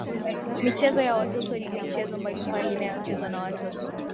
Michezo ya watoto ni michezo mbalimbali inayochezwa na watoto